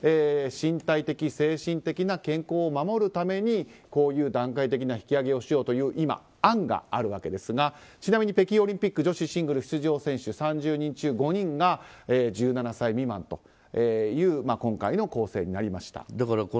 身体的、精神的な健康を守るために段階的な引き上げをしようという今案があるわけですがちなみに北京オリンピック女子シングル出場選手３０人中５人が１７歳未満という今回の構成になりました。